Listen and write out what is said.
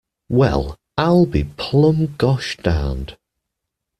Well, I'll be plumb gosh darned.